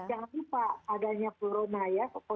jangan lupa adanya corona ya covid sembilan belas